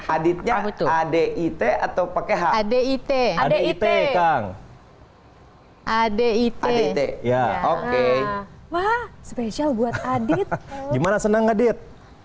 adiknya adit atau pakai adik adik adik adik ya oke wah spesial buat adit gimana seneng adit